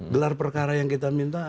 gelar perkara yang kita minta